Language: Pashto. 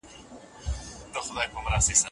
هیڅ څوک د خپل برخلیک په اړه خبر نه دی.